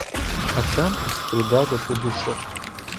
А там з труда до подушок.